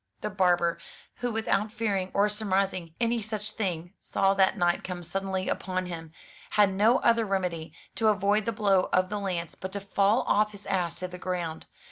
The barber, who without fearing or surmising any such thing, saw that knight come suddenly upon him, had no othci" remedy, to avoid the blow of the lance, but to fall off his ass to the ground.